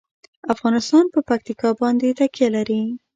افغانستان په پکتیکا باندې تکیه لري.